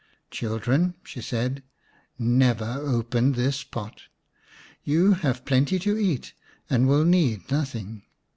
" Children," she said, " never open this pot. You have plenty to eat and will need nothing.